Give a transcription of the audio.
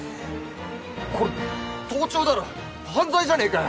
これ盗聴だろ犯罪じゃねぇかよ。